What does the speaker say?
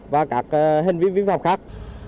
và hành vi vi phạm khác